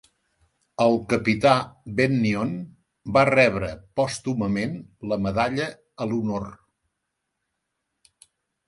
El capità Bennion va rebre pòstumament la Medalla a l'Honor.